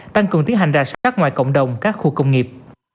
tăng cường tiến hành rà soát ngoài cộng đồng các khu công nghiệp